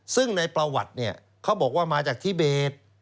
ซึ่งในประวัติเนี่ยเขาบอกว่ามาจากทิเบส